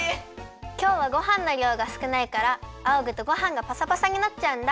きょうはごはんのりょうがすくないからあおぐとごはんがパサパサになっちゃうんだ。